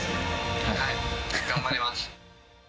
はい、頑張ります。